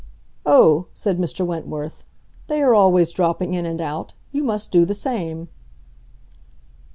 "Oh," said Mr. Wentworth, "they are always dropping in and out. You must do the same."